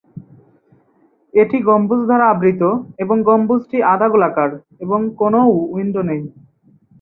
এটি গম্বুজ দ্বারা আবৃত এবং গম্বুজটি আধা-গোলাকার এবং কোনও উইন্ডো নেই।